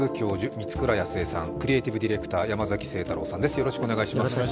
満倉靖恵さん、クリエーティブ・ディレクター山崎晴太郎さんです。